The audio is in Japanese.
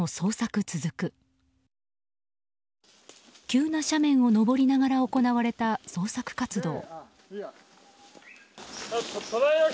急な斜面を登りながら行われた捜索活動。